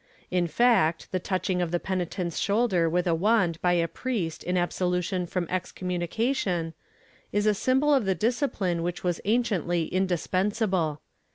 In fact, the touching of the penitent's shoulder with a wand by the priest in absolu tion from excommunication, is a symbol of the discipline which was anciently indispensable.